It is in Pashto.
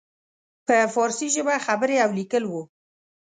په فارسي ژبه خبرې او لیکل وو.